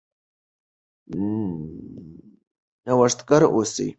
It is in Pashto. نوښتګر اوسئ.